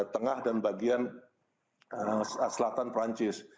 tengah dan bagian selatan perancis